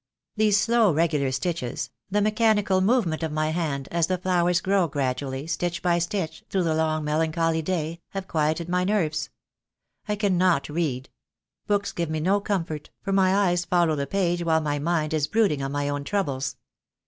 These slow regular stitches, the mechanical movement of my hand as the flowers grow gradually, stitch by stitch, through the long melancholy day, have quieted my nerves. I cannot read. Books give me no comfort, for my eyes follow the page while my mind is brooding on my own troubles.